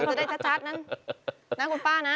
ไม่ได้ชัดนั้นนั้นคุณป้านะ